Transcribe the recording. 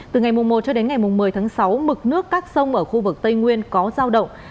từ ngày một một mươi tháng sáu mực nước các sông ở khu vực tây nguyên có dao động